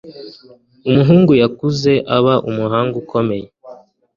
Umuhungu yakuze aba umuhanga ukomeye